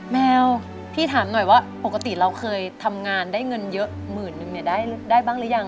แมวพี่ถามหน่อยว่าปกติเราเคยทำงานได้เงินเยอะหมื่นนึงเนี่ยได้บ้างหรือยัง